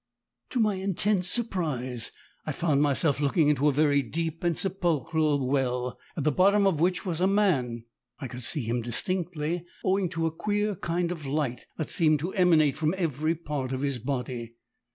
To my intense surprise I found myself looking into a very deep and sepulchral well, at the bottom of which was a man. I could see him distinctly, owing to a queer kind of light that seemed to emanate from every part of his body.